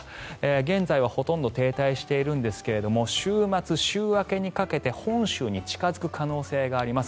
現在はほとんど停滞しているんですが週末週明けにかけて本州に近付く可能性があります。